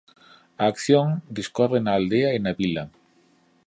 A acción discorre na aldea e na vila.